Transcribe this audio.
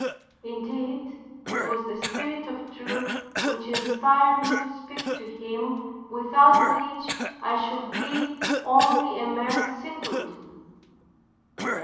Indeed it was the Spirit of truth which inspired me to speak to him, without which I should be only a mere simpleton.